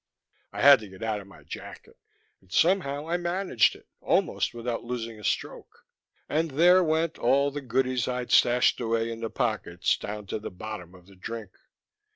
I had to get out of my jacket, and somehow I managed it, almost without losing a stroke. And there went all the goodies I'd stashed away in the pockets, down to the bottom of the drink.